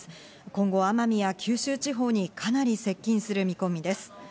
今後、奄美や九州地方にかなり接近する見込みです。